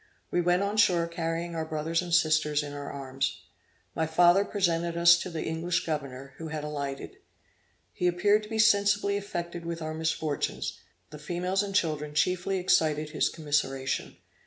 We went on shore carrying our brothers and sisters in our arms. My father presented us to the English governor, who had alighted; he appeared to be sensibly affected with our misfortunes, the females and children chiefly excited his commiseration.